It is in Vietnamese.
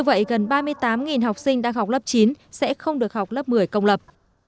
như vậy gần ba mươi tám học sinh đang học lớp chín sẽ không được học lớp một mươi công lập